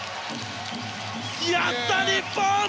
やった！日本！